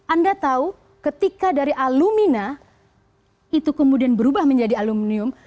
anda tahu ketika dari alumina itu kemudian berubah menjadi aluminium